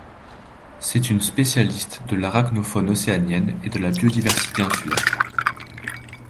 C'est une spécialiste de l'arachnofaune océanienne et de la biodiversité insulaire.